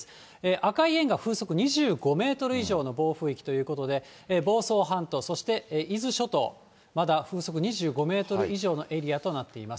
赤い円が風速２５メートル以上の暴風域ということで、房総半島、そして伊豆諸島、まだ風速２５メートル以上のエリアとなっています。